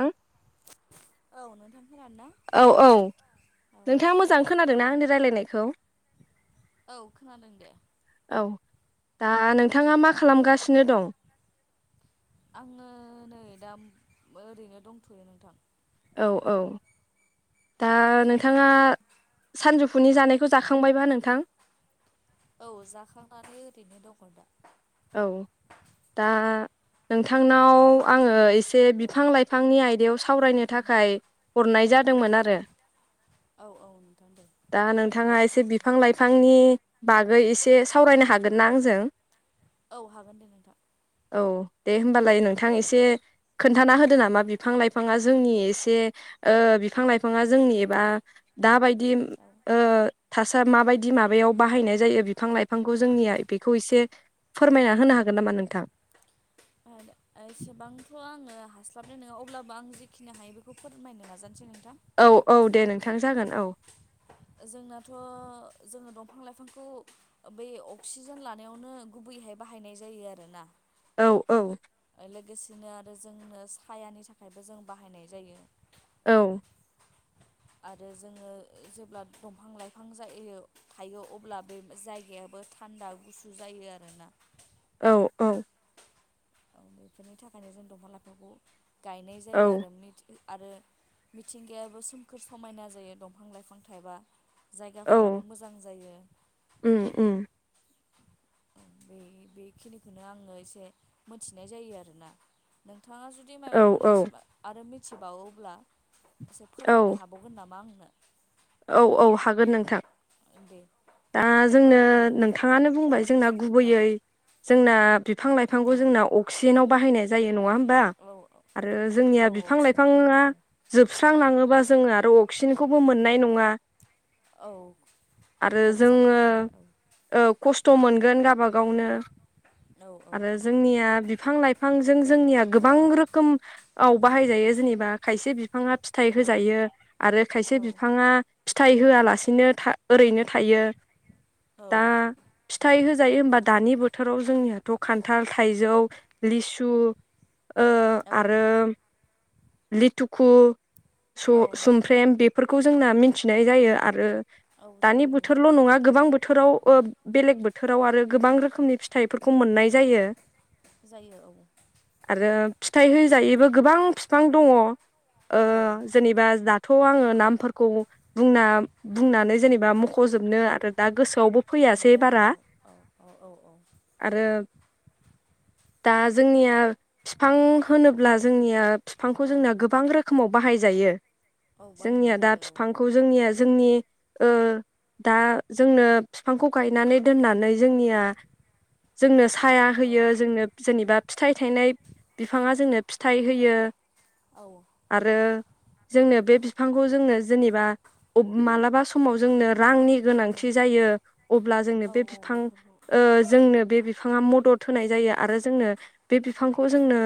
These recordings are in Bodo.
आं औ नोंथां खोनादों ना औ औ औ नोंथाङा मोजां खोनादोंना आंनि रायलायनायखौ? औ खोनादों दे औ दा नोंथाङा मा खालामगासिनो दं? आङो नै दा ओरैनो दंथ'यो नोंथां। औ औ दा नोंथाङा सानजुफु फुनि जानायखौ जाखांबायबा नोंथां? औ जाखांनानै ओरैनो दङ' दा। औ दा नोंथांनाव आङो ए से औ बिफां लाइफांनि आयदायाव सावरायनो थाखाय हरनाय जादोंमोन औ आरो औ औ नोंथां दे दा नोंथाङा रायज्लाय एसे जायो बिफां लाइफांनि बागै एसे सावरायनो हागोनना आंजों? औ हागोन दे नोंथां। औ दे होमबालाय नोंथां एसे खोन्थाना होदो नामा बिफां लाइफांआ जोंनि एसे ओ बिफां लाइफांआ जोंनि एबा दाबाय दि ओ थासा माबायदि माबायाव बाहायनाय जायो बिफां लाइफांखौ जोंनिया बेखौ एसे फोरमायना होनो हागोन नामा नोंथां? एसेबांथ' आङो हास्लाबनाय नङा अब्लाबो आं जेखिनि हायो बेखौ फोरमायनो नाजानोसै नों औ औ दे नोंथां जागोन औ। जोंनाथ' जोङो दंफां लाइफांखौ बै अक्सिजेन लानायावनो गुबैहाय बाहायनाय जायो आरोना। औ औ लोगोसेनो आरो जोंनो सायानि थाखायबो जों बाहायनाय जायो। औ आरो जोङो जेब्ला दंफां लाइफां जायो थायो अब्ला बे जायगायाबो थान्दा गुसु जायो। आरोना? औ औ औ बेफोरनि थाखायनो जों दंफां लाइफां खौ गायनाय औ जायो आरो आरो मिथिंगायाबो सोमखोर समायना जायो दंफां लाइफां थाबा। औ जायगाफोराबो मोजां जायो। उम उम बे बेखिनिखौनो आङो एसे मोनथिनाय जायो आरोना नों थाङा जुदि औ माबाफोर औ एसेबा आरो थिबावोब्ला। एसे औ फोरमायनो हाबावगोन नामा आंनो। औ औ हागोन नोंथां। दे। दा जोंनो दे नोंथाङानो बुंबाय। जोंना फोरमायनोसै औ गुबैयै जोंना फां लाइफांखौ औ जोंना अक्सिजेनाव बाहायनाय। जायो नङा हो बा औ औ आरो औ जोंनिया बिफां खिनाव लाइफाङा बाहायो जोबस्रांलाङोबा जोंना औ अक्सिजेनखौबो मोननाय नङा। औ। आरो खम जोङो जालांगोन आरो औ। खस्थ' मोनगोन गावबा गावनो औ आरो जोंनिया बिफां लाइफांजों जोंनिया गोबां रोखोमआव बाहायजायो जेनेबा खायसे बि [unintelligible] फिथाइ औ होजायो आरो खायसे औ बिफाङा। फिथाइ होआलासेनो था ओरैनो। थाइयो। दा औ फिथाइ होजायो होमबा। दानि बोथोराव जोंनियाथ' खान्थाल थाइजौ लिसु। ओ औ आरो लिटुखु। औ सु-सुमफ्रेम बि फोरखौ जोंना मिनथिनाय जायो आरो। औ जायो औ। [unintelligible] नङा गोबां बोथोराव ओ बेलेग बो थोराव आरो गोबां रोखोमनि फिथाइफोरखौ मोननाय जायो जायो औ आरो। फिथाइ होजायैबो गोबां फिफां दङ। ओ औ जेनेबा दा थ'आङो नामफोरखौ बुंना बुंनानै जेनेबा मख ख जोबनो आरो दा गोस खालि आरो औ - औ - औ - औ - औ आरो दा जोंनिया फिफां होनोब्ला जोंनिया फिफांखौ औ जोंना गोबां रोखोमाव बाहायजायो औ बाहायनाय जोंनिया दा जायो फिफांखौ जोंनिया जोंनि ओ दा जोंना फिफांखौ गायनानै दोननानै जोंनिया जोंनो साया औ होयो जोंनो जेनेबा फिथाइ थायनाय बिफाङा जोंनो फिथाइ होयो औ औ [inaudible] आरो जोंनो बे बिफांखौ जोंनो जेनेबा मालाबा समाव जोंनो रांनि औ गोनांथि जायो अब्ला जोंनो औ बे फिफां बेफोरखौ ओ जोंनो बे बिफ बिफांङा मदद होनाय जायो आरो जोंनो बे बिफांखौ जोंनो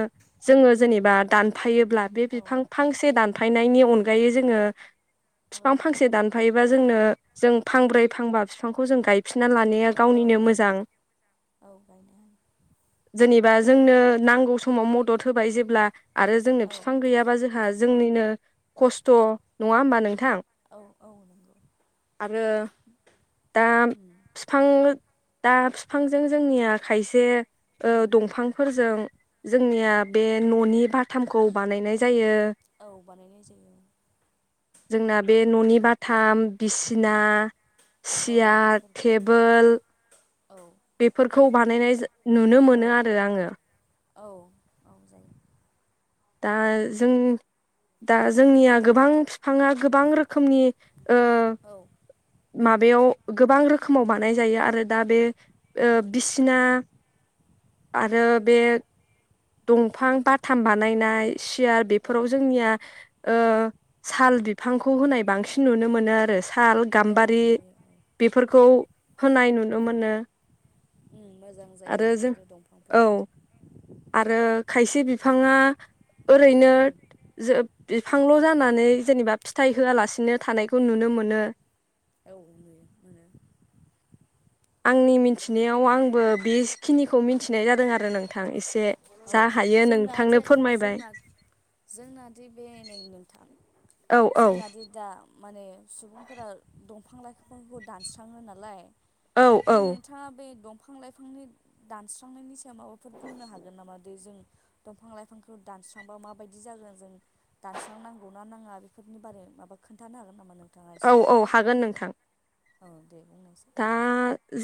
जोङो जेनेबा दानफायो ब्ला बे औ बिफां फांसे दान फायनायनि अनगायै जोङो औ फिफां फांसे दान हायोबा जोंनो जों फांब्रै फांबा बिफांखौ जों गायफिन गायफिनना लानाया औ गावनिनो मोजां औ गायनो [inaudible] जोंनो नांगौ समाव मदद होबाय जेब्ला आरो जोंनो औ फिफां गैयाबा जोंहा जोंनिनो खस्थ नङा होमबा नोंथां औ - औ नंगौ आरो दा उम फिफांजों दा फिफांजों जोंनिया खायसे ओ उम दंफांफोरजों जोंनिया बे ननि बाथामखौ बानायनाय जायो औ बानायनाय जायो जोंना बे ननि बाथाम बिसिना औ सियार बैफोरखौ टेबोल औ बेफोरखौ बानायनाय नुनो औ मोनो आरो आङो औ - औ जायो दा जों दा जोंनिया गोबां फिफाङा गोबां रोखोम खोमनि ओ औ माबायाव गोबां रोखोमाव बानाय जायो आरो दा बे ओ औ बिसिना आरो बे दंफां बाथाम बानायनाय सियार औ बेफोराव जोंनिया ओ साल बिफांखौ होनाय बांसिन नुनो मोनो आरो थाल औ गाम्बारि नुयो औ बेफोरखौ होनाय नुनो मोनो आरो जों औ आरो [inaudible] खायसे बिफाङा ओरैनो उम ज बिफांल' जानानै जेनेबा फिथाइ होआलासिनो थानायखौ नुनो मोनो औ नुयो मोनो [inaudible] आंनि मिथिनायाव आंबो बेखिनिखौ मिथिनाय जादों आरो नोंथां एसे अ जा हायो नोंथांनो जोंनाथो फोरमायबाय जोंना जोंनाथ' बे नै नोंथां औ औ जोंनादि दा माने सुबुंफोरा दंफां लाइफफांखौ दानस्राङो नालाय औ बे औ नोंथाङा बे दं बिफां -लाइफांनि दानस्रांनायनि सायाव माबाफोर बुंनो हागोन हागोन नामा दै जों दंफां लाइफांखौ दानस्रांबा माबायदि जागोन जों दानस्रांनांगौ ना नाङा बेफोरनि बारै माबा खोन्थानो हागोन नामा नों औ औ हागोन नोंथां [inaudible] बुंनायसै दा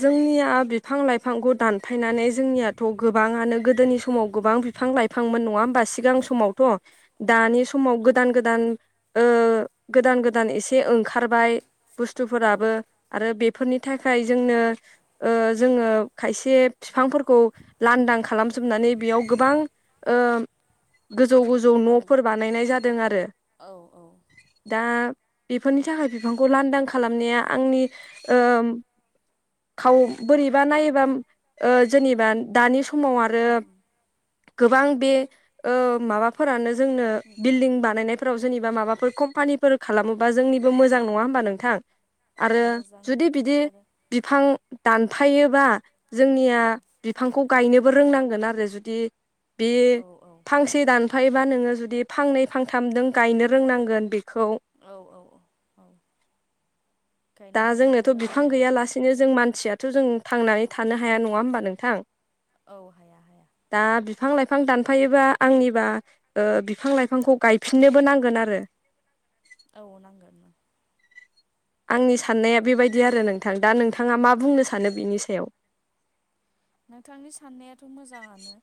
जोंनिया बिफां लाइफांखौ दानफायनानै जोंनियाथ' गोबाङानो गोदोनि समाव गोबां बिफां लाइफांमोन नङा होमबा सिगां समावथ' दानि औ समाव गोदान गोदान गोदान गोदान एसे ओंखारबाय बुस्थुफोराबो आरो बे फोरनि थाखाय जोंनो ओ जोङो खायसे बिफांफोरखौ लांदां खालामजोबनानै बेयाव गोबां ओ गोजौ गोजौ औ न'फोर बानायनाय जादों आरो औ औ दा बेफोरनि थाखाय बिफांखौ लांदां खालामनाया आंनि ओ खाव बोरैबा नायोबा जोनोबा दानि समाव आरो उम गोबां बे ओ माबाफोरानो जोंनो उम बिल्डिं बानायनाय ाव जेनेबा माबाफोर कम्पानिफोर खालामोबा जोंनिबो मोजां नङा होमबा नोंथां औ आरो मोजां जुदि बिदि आरो बिफां दानफायोबा औ जोंनिया बिफांखौ गायनो बो रोंनांगोन आरो जुदि बेयो औ फांसे दान हायोबा नोङो जुदि फांनै फांथाम नों गायनो रोंनांगोन बे औ औ दा गायनोबो जोंनोथ' हानांगोन बिफां आरोना गैयालासेनो जों मान सियाथ' जों थांनानै थानो हाया नङा होमबा नोंथां। औ हाया-हाया दा बिफां लाइफां दानफायोबा आंनिबा ओ बिफां लाइफांखौ गायफिननोबो नांगोन आरो औ नांगोन अम आंनि साननाया बेबायदि आरो नोंथां दा नोंथाङा मा बुंनो सानो बिनि सायाव नोंथांनि साननायाथ' मोजाङानो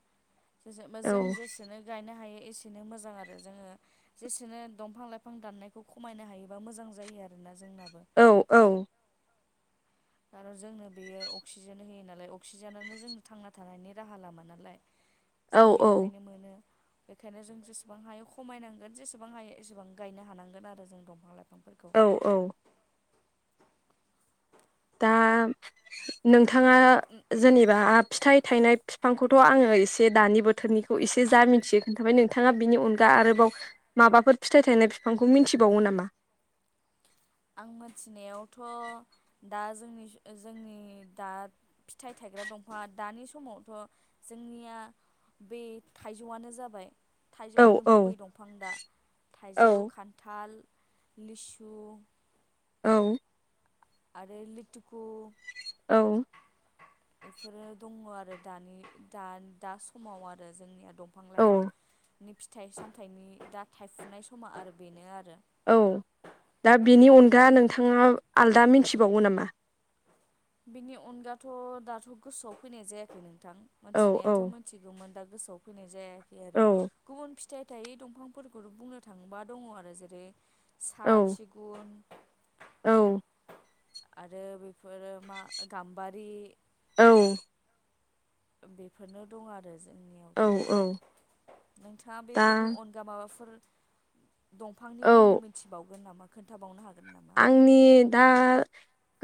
जेसेबा औ जों जेसेनो गायनो हायो एसेनो मोजां आरो जोङो जेसेनो दंफां लाइफां दाननायखौ खमायनो हायोबा मोजां जायो आरोना जोंनाबो औ औ आरो जोंनो बेयो अक्सिजेन होयो नालाय अक्सिजेनानो जोंनि थांना थानायनि राहा लामा नालाय औ जों बेनिफायनो मोनो बेखायनो जों जेसेबां हायो खमायनांगोन जेसेबां हायो एसेबां गायनो हानांगोन आरो जों दंफां लाइफां औ औ दा नों थाङा जेनेबा फिथाइ थाइनाय बिफांखौथ' आङो एसे दानि बोथोरनिखौ एसे जा मिन्थियो खोन्थाबाय नोंथाङा बिनि अन गा आरोबाव आं माबाफोर फिथाइ थायनाय बिफांखौ मिथिबावो नामा? आं मिथिनायावथ' दा जोंनि-जोंनि दा फिथाइ थायग्रा दंफां दानि समावथ' जोंनिया बे थाइजौआनो जाबाय औ थाइजौआनो औ गुबै दंफां दा औ थाइजौ खान्थाल लिसु औ आरो लिथु औ बेफोरो दङ आरो दानि दा दा समाव आरो जोंनिया दंफां लाइफां औ नि फिथाइ सामथाइनि दा थाइफुनाय समा आरो बेनो आरो औ दा बिनि अनगा नोंथाङा आलदा मिनथिबावो नामा बिनि अनगाथ' दाथ' गोसोआव फैनाय जायाखै नों थां औ औ मिथिनायाथ' मिथिगौमोन दा गोसोआव फैनाय जाया दि आरो औ गुबुन फि फिथाइ थायै दंफांफोरखौ बुंनो थांङोबा दङ आरो जेरै औ साल सिगुन औ। आरो बेफोरो मा गाम्बारि। औ। ओ बेफोरनो दं आरो। औ जोंनियावथ' दा औ नोंथांङा दा बेफोरनि अनगा माबाफोर दंफांनि औ मुं मिथिबावगोन नामा? खोन्थाबावनो हाग आंनि दा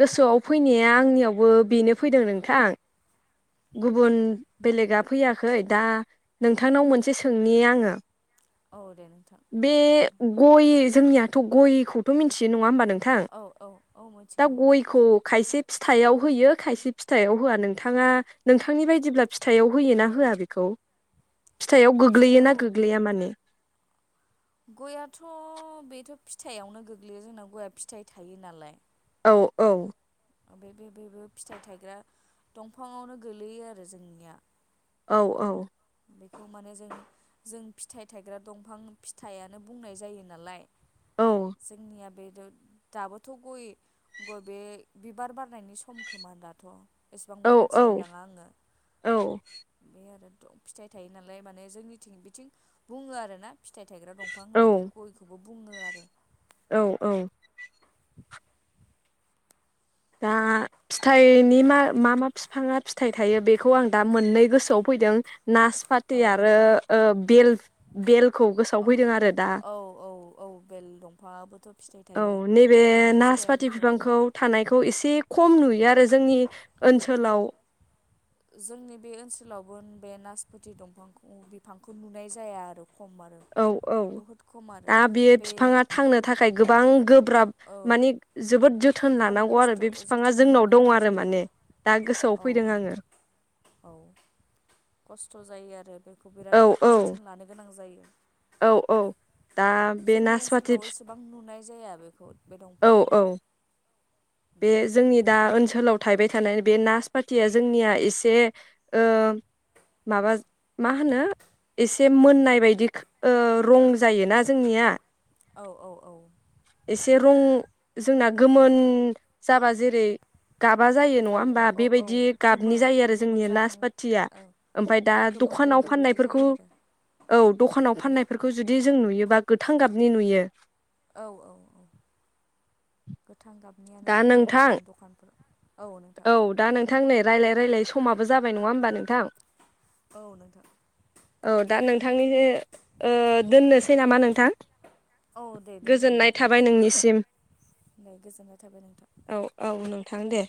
गोसोआव फैनाया आंनियावबो बेनो फैदों नोंथां। औ गुबुन बेलेगा फैया खै दा नोंथांनाव मोनसे सोंनि आंङो। औ। दे नोंथां बे सोंजायो गय जोंनियाथ' गयखौथ' मिन्थियो नंङा होमबा नों नोंथां औ औ औ दा मिथिगौ औ गयखौ खायसे फिथायाव होयो खायसे फिथायाव होआ नोंथांङा नोंथांनि बायदिब्ला फिथायाव होयोना होआ बेखौ? फिथायाव फिथाइयाव गोग्लैयोना गोग्लैया माने? गयाथ' बेथ' फिथाइआवनो गोग्लैयो जोंनाव गया फिथाइ थायो नालाय। औ औ। ओमफ्राय बे बेबो फिथाइ थायग्रा दंफांङावनो गोलैयो आरो जोंनिया। औ औ। बेखौ माने जों जों फिथाइ थायग्रा दंफां फिथाइयानो बुंनाय जायो नालाय। औ जोंनिया बे दो दाबोथ' गय गय बे बिबार बारनायनि सम खोमा दाथ'। एसेबांबो औ मिथिलायलांङा आंङो औ बे आरो। [unintelligible] फिथाइ थायो नालाय माने जोंनिथिं बिथिं बुङो आरो ना। फिथाइ थायग्रा दंफां औ होनबाथाय गयखौबो बुंङो आरो। औ औ। दा फिथाइनि औ मा मा मा बिफाङा फिथाइ थायो बेखौ आं दा मोननै गोसोआव फैदों। औ नासपाती आरो नोंथां ओ बेल बेलखौ गोसोआव फैदों आरो दा औ औ औ बेल दंफाङाबोथ' फिथाइ औ थायो नैबे बेनि नासपाति फिथाइयाबोथ' औ बिबांखौ थानायखौ एसे खम नुयो आरो जोंनि ओनसोलाव जोंनि बे ओनसोलावबो बे नासपथि दंफांखौ बिफांखौ नुनाय जाया आरो। खम आरो औ औ बहुद खम आरो दा बे बिफाङा थांनो थाखाय गोबां गोब्राब औ माने जोबोद जोथोन गोबां लानांगौ आरो खस्थ' बे बिफाङा जोथोन जोंनाव लानो दं गोनां आरो जायो माने दा गोसोआव औ फैदों औ आङो। [unintelligible] खौ बिराद औ औ जोथोन लानो गोनां जायो। औ औ दा बे जोंनि नासपति ओनसोलाव फि एसेबां नुनाय जाया बेखौ। बे दंफांखौ। बे जोंनि दा ओनसोलाव थायबाय थानाय बे नासपतिया जोंनिया एसे ओ माबा माहोनो एसे मोननाय बादिख ओ रं जायोना जोंनिया? औ औ औ एसे रं जोंना गोमोन जाबा जेरै गाबा जायो नङा औ औ होमबा औ औ बेबायदि गोमो गाबनि जायो आरो गोमो जोंनि जाहां नासपाथिया औ ओमफ्राय दा गोमो दखानाव गोरलै फाननाय बायदि फोरखौ जायो आरो औ दखानाव औ फाननाय फोरखौ जुदि नुयोब बा गोथां गाबनि नुयो। औ औ औ गोथां गाबनियानो दा जायो आरो नोंथां जोंनि दखानफोराव नोंथां औ दा नोंथां नै रायज्लाय रायजलाय समाबो जाबाय नङा होमबा नों थां औ नोंथां औ दा नोंथांनिनो ओ दोननोसै नामा नोंथां? औ दे दोनजायो गोजोननाय दे थाबाय नोंनिसिम दे गोजोन्नाय था औ औ नों थां दे।